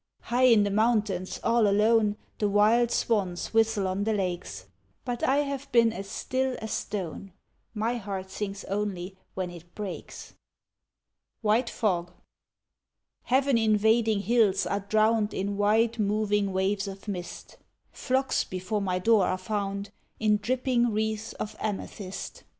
High in the mountains all alone The wild swans whistle on the lakes, But I have been as still as stone, My heart sings only when it breaks. White Fog Heaven invading hills are drowned In wide moving waves of mist, Phlox before my door are wound In dripping wreaths of amethyst.